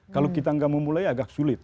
kalau kita nggak memulai agak sulit